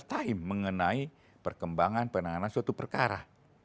secara real time mengenai perkembangan penanganan suatu perkara